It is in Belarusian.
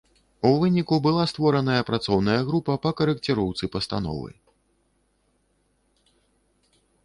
У выніку была створаная працоўная група па карэкціроўцы пастановы.